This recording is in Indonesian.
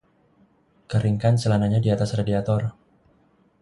Keringkan celananya di atas radiator.